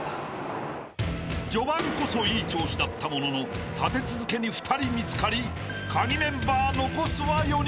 ［序盤こそいい調子だったものの立て続けに２人見つかりカギメンバー残すは４人］